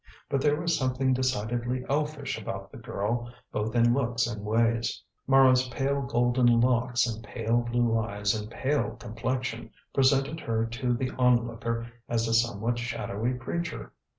But there was something decidedly elfish about the girl, both in looks and ways. Mara's pale golden locks and pale blue eyes and pale complexion presented her to the onlooker as a somewhat shadowy creature.